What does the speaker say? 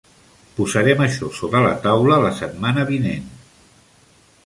Posarem això sobre la taula la setmana que ve.